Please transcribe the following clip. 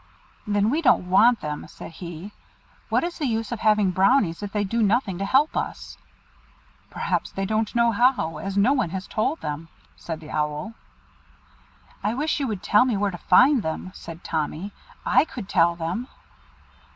"Then we don't want them," said he. "What is the use of having Brownies if they do nothing to help us?" "Perhaps they don't know how, as no one has told them," said the Owl. "I wish you would tell me where to find them," said Tommy; "I could tell them."